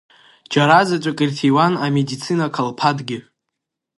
Џьара заҵәык ирҭиуан амедицина қалԥадгьы.